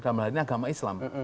dalam hal ini agama islam